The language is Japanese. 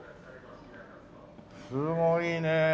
すごいねえ。